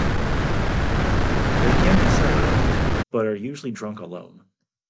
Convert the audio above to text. They can be cellared, but are usually drunk young.